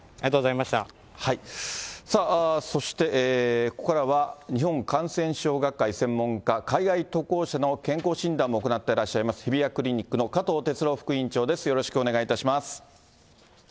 そして、ここからは、日本感染症学会専門家、海外渡航者の健康診断も行ってらっしゃいます、日比谷クリニックの加藤哲朗副院長です、よろしくお願いします。